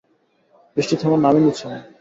বৃষ্টি থামার নামই নিচ্ছে না।